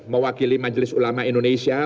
mewakili majelis ulama indonesia